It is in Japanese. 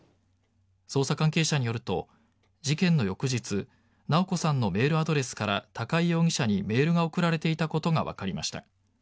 捜査関係者によると事件の翌日直子さんのメールアドレスから高井容疑者にメールが送られていたことが分かりました。